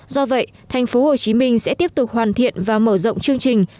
do vậy thành phố hồ chí minh sẽ tiếp tục hoàn thiện và mở rộng chương trình